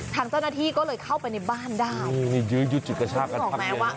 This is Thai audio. ทางเจ้าหน้าที่ก็เลยเข้าไปในบ้านด้าว